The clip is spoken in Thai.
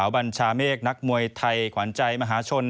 บัญชาเมฆนักมวยไทยขวัญใจมหาชน